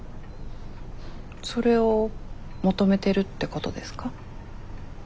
それを求めてるってことですか？